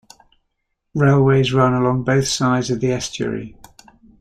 Railways run along both sides of the estuary.